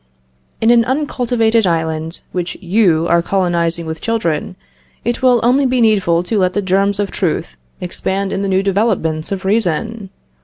"In an uncultivated island, which you are colonizing with children, it will only be needful to let the germs of truth expand in the developments of reason!